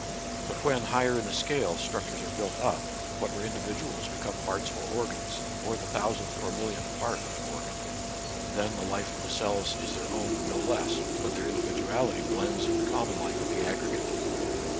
But when, higher in the scale, structures are built up, what were indi viduals become parts or organs, or the thou sandth or millionth part of an organ ; then the life of the cells is their own no less, but their individuality blends in the common life of the aggregate.